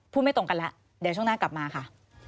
ไม่ตรงกันแล้วเดี๋ยวช่วงหน้ากลับมาค่ะ